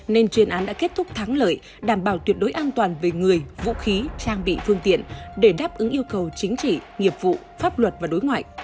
nên chuyên án đã kết thúc thắng lợi đảm bảo tuyệt đối an toàn về người vũ khí trang bị phương tiện để đáp ứng yêu cầu chính trị nghiệp vụ pháp luật và đối ngoại